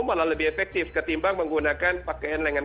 malah lebih efektif ketimbang menggunakan pakaian lengan